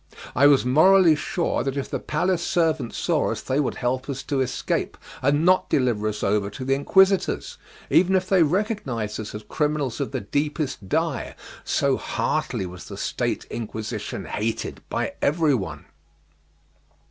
I was morally sure that if the palace servants saw us they would help us to escape, and not deliver us over to the Inquisitors, even if they recognized us as criminals of the deepest dye; so heartily was the State Inquisition hated by everyone.